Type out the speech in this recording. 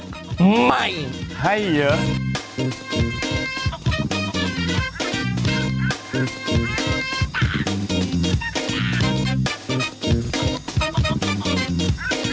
อ๋อใช่